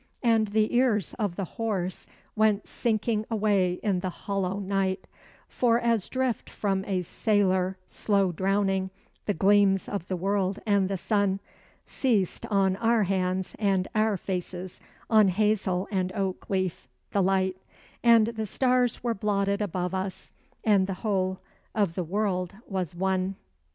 And the ears of the horse went sinking away in the hollow night; For as drift from a sailor slow drowning the gleams of the world and the sun, Ceased on our hands and our faces, on hazel and oak leaf, the light, And the stars were blotted above us, and the whole of the world was one.